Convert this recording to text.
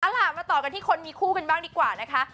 เอาล่ะมาต่อกันที่คนมีคู่กันบ้างดีกว่านะคะ